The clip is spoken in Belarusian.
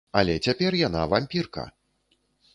Але цяпер яна вампірка.